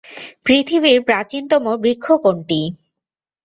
পৃথিবীর প্রাচীনতম বৃক্ষ কোনটি?